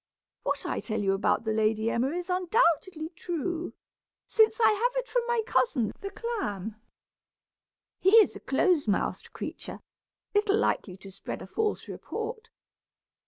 What I tell you about the Lady Emma is undoubtedly true, since I have it from my cousin the clam. He is a close mouthed creature, little likely to spread a false report.